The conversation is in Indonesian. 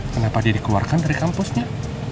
kenapa dia dikeluarkan dari kampusnya